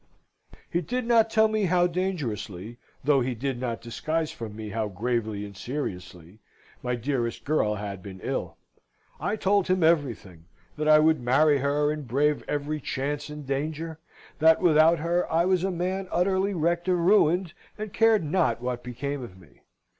He did not tell me how dangerously, though he did not disguise from me how gravely and seriously, my dearest girl had been ill. I told him everything that I would marry her and brave every chance and danger; that, without her, I was a man utterly wrecked and ruined, and cared not what became of me.